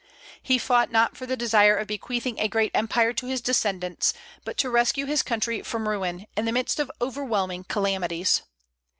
He fought not for the desire of bequeathing a great empire to his descendants, but to rescue his country from ruin, in the midst of overwhelming calamities.